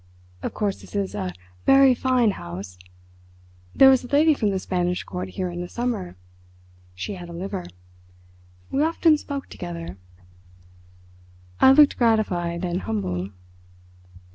of course this is a very fine house. There was a lady from the Spanish Court here in the summer; she had a liver. We often spoke together." I looked gratified and humble.